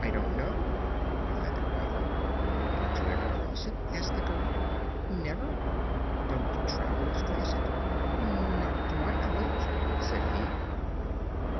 "I don't know," replied the Quadling. "Don't you ever cross it?" asked the girl. "Never." "Don't travelers cross it?" "Not to my knowledge," said he.